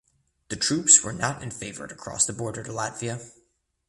The troops were not in favor to cross the border to Latvia.